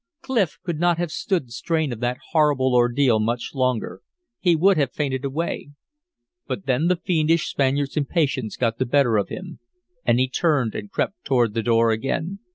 Clif could not have stood the strain of that horrible ordeal much longer; he would have fainted away. But then the fiendish Spaniard's impatience got the better of him. And he turned and crept toward the door again.